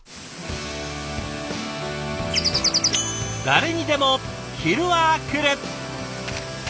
誰にでも昼はくる。